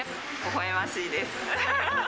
ほほえましいです。